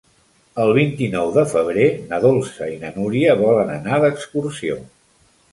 El vint-i-nou de febrer na Dolça i na Núria volen anar d'excursió.